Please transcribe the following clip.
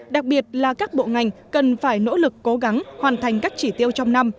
đặc biệt là các bộ ngành cần phải nỗ lực cố gắng hoàn thành các chỉ tiêu trong năm